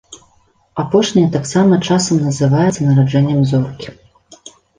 Апошняе таксама часам называецца нараджэннем зоркі.